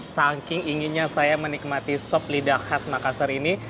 saking inginnya saya menikmati sop lidah khas makassar ini